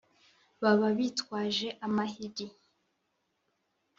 Baba bitwaje amahiri